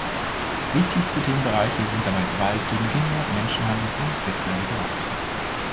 Wichtigste Themenbereiche sind dabei Gewalt gegen Kinder, Menschenhandel und sexuelle Gewalt.